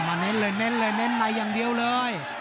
มาเน้นเลยในอย่างเดียวเลย